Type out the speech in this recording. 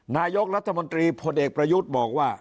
นายกรัฐมนตรีพลเอกประยุทธ์บอกว่า